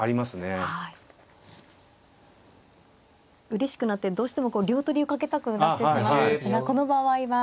うれしくなってどうしてもこう両取りをかけたくなってしまうんですがこの場合は。